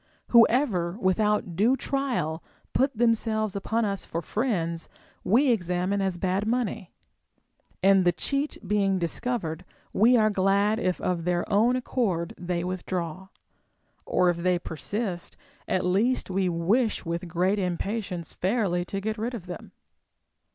Whoever without due trial put them selves upon us for friends Ave examine as bad money ; and the cheat being discovered, we are glad if of their own accord they Avithdraw ; or if they persist, at least we wish Λvith great impatience fairly to get rid of them.